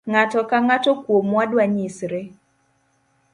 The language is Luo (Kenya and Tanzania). Ng'ato ka ng'ato kuomwa dwanyisre.